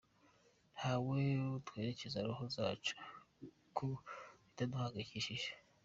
Ntabwo twerekeza roho zacu ku biduhangayikishije.